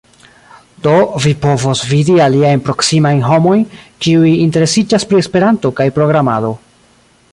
Do vi povos vidi aliajn proksimajn homojn kiuj interesiĝas pri Esperanto kaj programado